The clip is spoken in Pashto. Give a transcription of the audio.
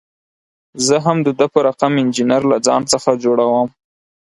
زه هم د ده په رقم انجینر له ځان څخه جوړوم.